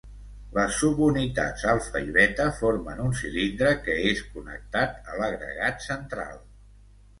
Les subunitats alfa i beta formen un cilindre que és connectat a l'agregat central.